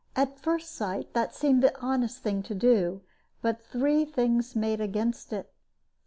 At first sight that seemed the honest thing to do; but three things made against it.